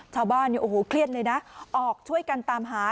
ชาวบ้านเนี่ยโอ้โหเครียดเลยนะออกช่วยกันตามหา